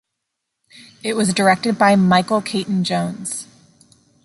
It was directed by Michael Caton-Jones.